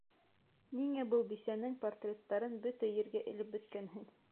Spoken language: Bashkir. Ниңә был бисәнең портреттарын бөтә ергә элеп бөткәнһең?